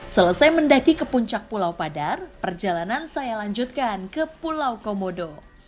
selesai mendaki ke puncak pulau padar perjalanan saya lanjutkan ke pulau komodo